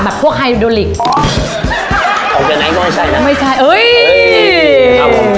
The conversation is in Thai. พวกไฮโดลิกออกจากไหนก็ไม่ใช่นะไม่ใช่เอ้ยครับผม